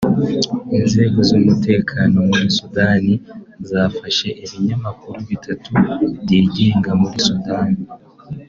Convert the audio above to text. Inzego z’umutekano muri Sudani zafashe ibinyamakuru bitatu byigenga muri Sudani